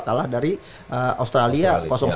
kalah dari australia satu